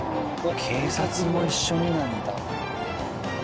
警察も一緒になんだ。